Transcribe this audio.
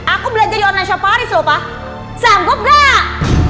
aku belajar di online show paris lho pak sanggup gak